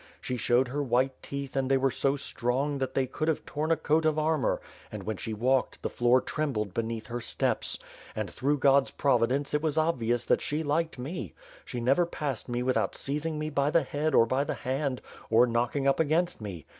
She showed her white teeth and they were so strong that they WITH FIRE AND 8W0RD. ^qj could have torn a coat of armor, and, when she walked the floor trembled beneath her steps. And through God's provi dence it was obvious that she liked me. She never passed me without seizing me by the head or by the hand, or knocking up against me.